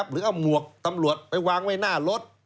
หรือเอาหมวกตำรวจไปวางไว้หน้ารถ